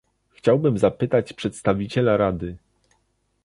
Chciałbym zapytać przedstawiciela Rady